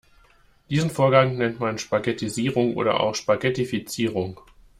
Diesen Vorgang nennt man Spaghettisierung oder auch Spaghettifizierung.